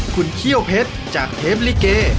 คุณเขี้ยวเพชรจากเทปลิเก